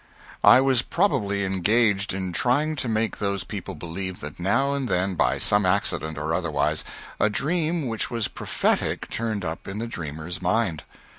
I was probably engaged in trying to make those people believe that now and then, by some accident, or otherwise, a dream which was prophetic turned up in the dreamer's mind.